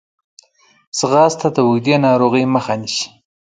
ځغاسته د اوږدې ناروغۍ مخه نیسي